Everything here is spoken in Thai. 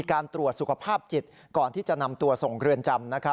การตรวจสุขภาพจิตก่อนที่จะนำตัวส่งเรือนจำ